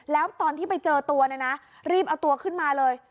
แล้วตอนที่ไปเจอตัวเนี่ยนะรีบเอาตัวขึ้นมาเลย